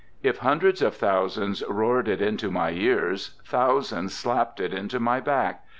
If hundreds of thousands roared it into my ears, thousands slapped it into my back.